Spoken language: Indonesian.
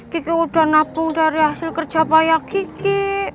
kiki udah nabung dari hasil kerja payah kiki